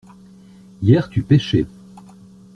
Hier tu pêchais.